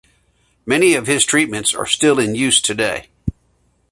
Many of his treatments are still in use today.